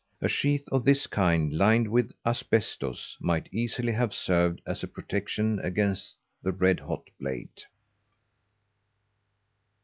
A sheath of this kind lined with asbestos might easily have served as a protection against the red hot blade.